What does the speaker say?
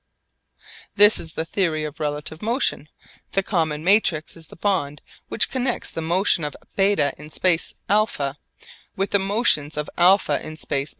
This is the theory of relative motion; the common matrix is the bond which connects the motion of β in space α with the motions of α in space β.